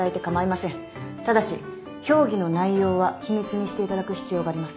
ただし評議の内容は秘密にしていただく必要があります。